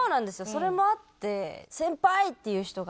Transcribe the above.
それもあって。